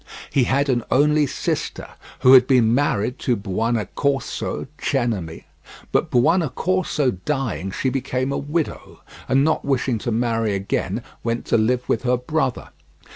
He had an only sister, who had been married to Buonaccorso Cenami, but Buonaccorso dying she became a widow, and not wishing to marry again went to live with her brother.